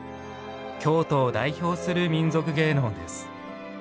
京都を代表する民俗芸能です。